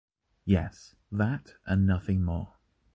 Yes. That, and nothing more.